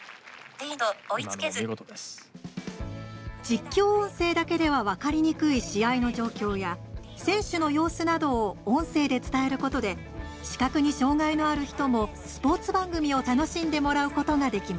実況音声だけでは分かりにくい試合の状況や選手の様子などを音声で伝えることで視覚に障がいのある人もスポーツ番組を楽しんでもらうことができます。